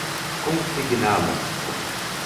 consigná-las